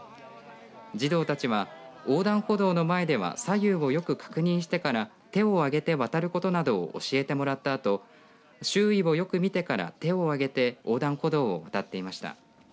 児童たちは横断歩道の前では左右をよく確認してから手を上げて渡ることなどを教えてもらったあと周囲をよく見てから手を上げて横断歩道を渡っていました。